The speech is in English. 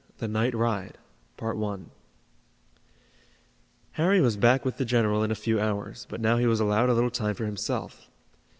THE NIGHT RIDE Harry was back with the general in a few hours, but now he was allowed a little time for himself.